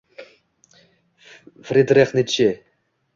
Fridrix Nitshe